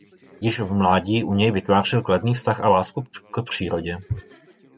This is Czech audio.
Již v mládí u něj vytvářel kladný vztah a lásku k přírodě.